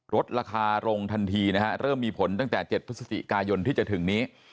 ลดราคาลงทันทีนะฮะเริ่มมีผลตั้งแต่๗พฤศจิกายนที่จะถึงนี้